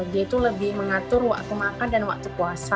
dia itu lebih mengatur waktu